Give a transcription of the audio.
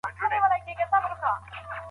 څوک د رایې ورکوونکو نوم لیکنه کوي؟